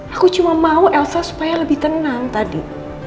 aku cuma mau elsa supaya lebih tenang tadi